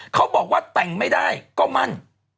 เขาบอกว่าแต่งไม่ได้ก็มั่น